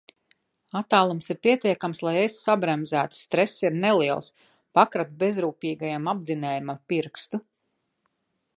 Attālums ir pietiekams, lai es sabremzētu, stress ir neliels, pakratu bezrūpīgajam apdzinējam ar pirkstu...